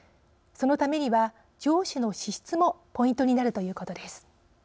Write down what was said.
そのためには、上司の資質もポイントになるということです。